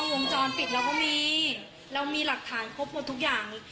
บ้าก็วงจรปิดแล้วก็มีเรามีหลักฐานครบหมดทุกอย่าง